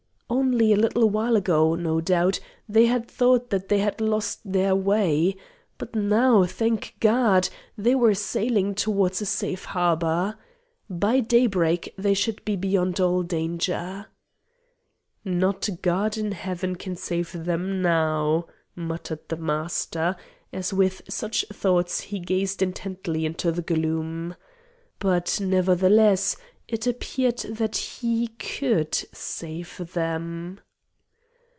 Only a little while ago, no doubt, they had thought that they had lost their way. But now, thank God! they were sailing towards a safe harbour. By daybreak they should be beyond all danger! "Not God in Heaven can save them now!" muttered the Master, as with such thoughts he gazed intently into the gloom. But, nevertheless, it appeared that He could save them.